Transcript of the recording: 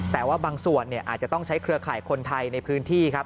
แต่ว่าบางส่วนอาจจะต้องใช้เครือข่ายคนไทยในพื้นที่ครับ